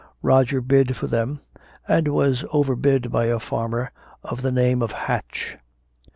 Roger bid for them, and was overbid by a farmer of the name of Hatch.